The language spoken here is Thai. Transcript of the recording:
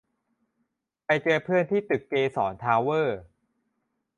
ไปเจอเพื่อนที่ตึกเกษรทาวเวอร์